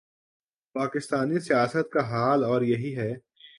پاکستانی سیاست کا حال اور یہی ہے۔